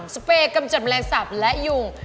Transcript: สเปย์กำจำแลจศพและหยุง